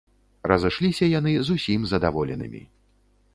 Разышліся яны зусім задаволенымі.